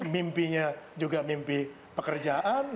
mimpinya juga mimpi pekerjaan